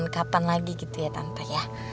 kapan lagi gitu ya tanpa ya